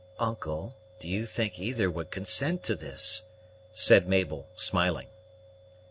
"Uncle, do you think either would consent to this?" said Mabel smiling.